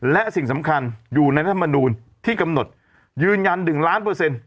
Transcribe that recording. และสิ่งสำคัญอยู่ในรัฐมนูลที่กำหนดยืนยัน๑ล้านเปอร์เซ็นต์